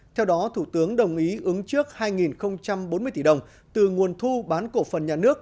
theo đó thủ tướng đồng ý ứng trước hai bốn mươi tỷ đồng từ nguồn thu bán cổ phần nhà nước